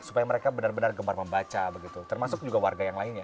supaya mereka benar benar gemar membaca begitu termasuk juga warga yang lainnya